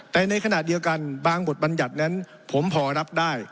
แต่ในขณะเดียวกันบางบทบัญญัตินั้นผมพอรับได้